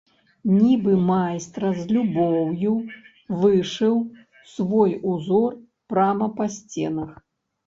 Нібы майстра з любоўю вышыў свой узор прама па сценах.